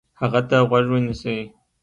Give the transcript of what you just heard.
هغه ته غوږ ونیسئ،